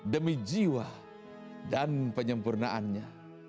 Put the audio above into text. demi jiwa dan penyempurnaannya